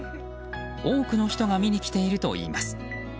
多くの人が見に来ているといいます。